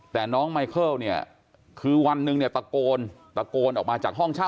แต่น้องไมเคิลคือวันหนึ่งประโกนประโกนออกมาจากห้องเช่า